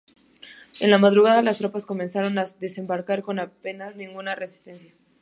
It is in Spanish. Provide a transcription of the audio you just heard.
En la madrugada, las tropas comenzaron a desembarcar con apenas ninguna resistencia.